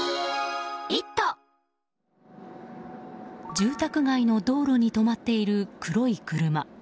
住宅街の道路に止まっている黒い車。